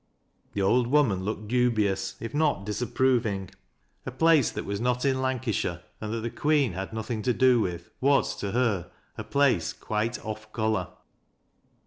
The old woman looked dubious, if not disapproving t place that was net in Lancashire, and that the Queer hal nothing to do with, was, to her, a place quite "ofl color."